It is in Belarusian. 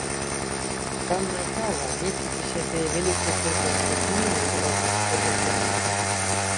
Танная кава месціць у сябе вялікую колькасць кафеіну і розных шкодных рэчываў.